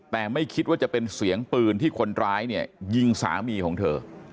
แต่ไม่คิดว่าจะเป็นเสียงปืนที่คนร้ายเนี่ยยิงสามีของเธอ